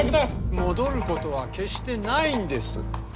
戻ることは決してないんです。